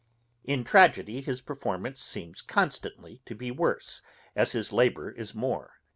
In tragedy his performance seems constantly to be worse, as his labour is more.